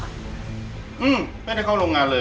อืมไม่ได้เข้าโรงงานเลย